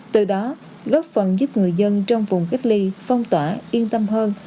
từ đó góp phần giúp người dân trong vùng cách ly phong tỏa yên tâm hơn